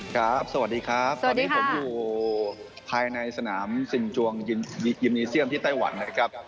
สวัสดีครับตอนนี้ผมอยู่ภายในสนามสิ่งจวงกิมนีเซียมที่ไต้หวันนะครับ